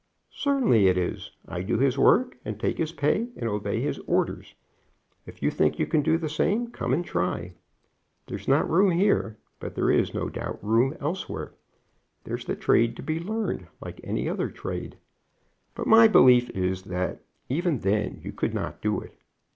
"Certainly it is. I do his work, and take his pay, and obey his orders. If you think you can do the same, come and try. There's not room here, but there is, no doubt, room elsewhere. There's the trade to be learned, like any other trade; but my belief is that even then you could not do it.